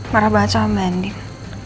marah banget sama mbanding